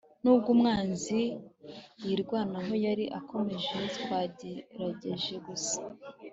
nubwo umwanzi yirwanaho yari akomeye, twagerageje guca